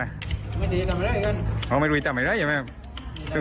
ไม่ได้ทำไมได้กันอ๋อไม่รู้แต่ไม่ได้อย่างนั้น